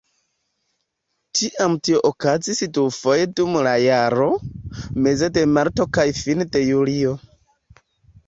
Tiam tio okazis dufoje dum la jaro: meze de marto kaj fine de julio.